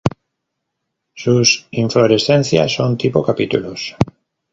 Sus inflorescencias son tipo capítulos.